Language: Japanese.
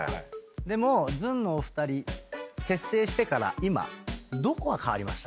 でもずんのお二人結成してから今どこが変わりました？